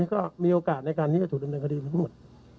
ก็มีโอกาสในการที่จะถูกดำเนินคดีทั้งหมด